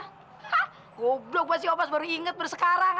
hah goblok pak siopas baru inget baru sekarang